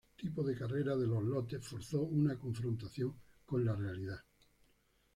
Tipo de carreras de los lotes forzó una confrontación con la realidad.